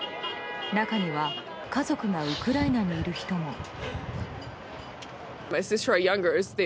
中には家族がウクライナにいる人も。